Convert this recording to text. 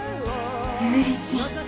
優里ちゃん。